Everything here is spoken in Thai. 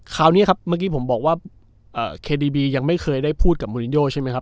คราวนี้ครับเมื่อกี้ผมบอกว่าเคดีบียังไม่เคยได้พูดกับมูลินโยใช่ไหมครับ